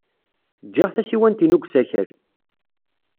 Ǧǧiɣ tasiwant-inu deg usakal.